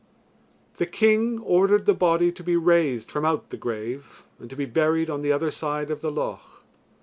The king ordered the body to be raised from out the grave and to be buried on the other side of the loch.